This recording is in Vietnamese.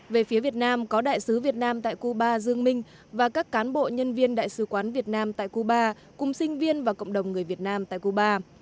về phía việt nam có đại sứ việt nam tại cuba dương minh và các cán bộ nhân viên đại sứ quán việt nam tại cuba cùng sinh viên và cộng đồng người việt nam tại cuba